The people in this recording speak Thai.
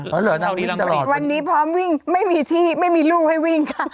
ก็เลยแต่วันนี้พร้อมวิ่งไม่มีที่ไม่มีลูกให้วิ่งค่ะ